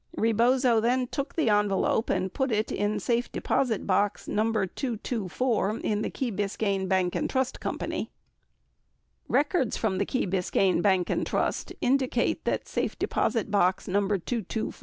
51 Rebozo then took the envelope and put it in safe deposit box No. 224 in the Key Biscayne Bank and Trust Go. Records from the Key Biscayne Bank and Trust indicate that safe deposit box No.